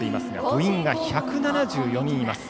部員が１７４人います。